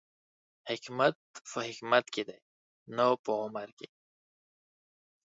حکمت په حکمت کې دی، نه په عمر کې